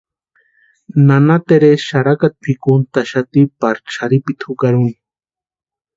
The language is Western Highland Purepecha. Nana Teresa xarakata pʼikuxati pari xarhipiti juraki úni.